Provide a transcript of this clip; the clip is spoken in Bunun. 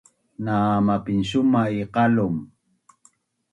na mapinsuma’ i qalum